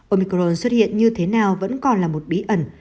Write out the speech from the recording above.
omicron xuất hiện như thế nào vẫn còn là một bí ẩn